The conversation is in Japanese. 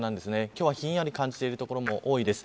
今日は、ひんやり感じている所も多いです。